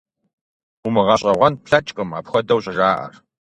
Умыгъэщӏэгъуэн плъэкӏкъым апхуэдэу щӏыжаӏэр.